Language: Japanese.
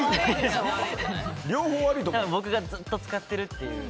僕がずっと使っているという。